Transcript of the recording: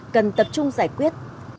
cần tập trung giải quyết